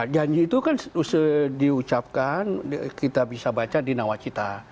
nah janji itu kan di ucapkan kita bisa baca di nawacita